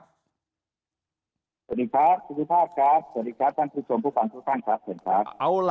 สวัสดีครับสวัสดีครับท่านผู้ชมผู้ฟังทุกท่านครับ